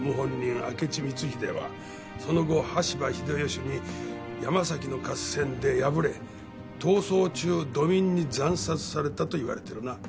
明智光秀はその後羽柴秀吉に山崎の合戦で敗れ逃走中土民に惨殺されたといわれてるな。